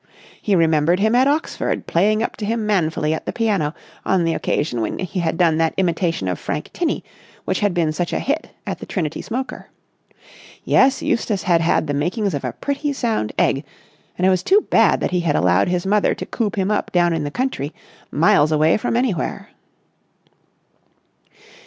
He remembered him at Oxford playing up to him manfully at the piano on the occasion when he had done that imitation of Frank Tinney which had been such a hit at the Trinity smoker. Yes, Eustace had had the makings of a pretty sound egg, and it was too bad that he had allowed his mother to coop him up down in the country, miles away from anywhere.